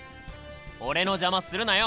俺の邪魔するなよ？